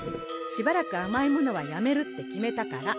しばらくあまいものはやめるって決めたから。